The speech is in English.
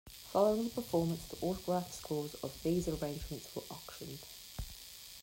Following the performance, the autograph scores of these arrangements were auctioned.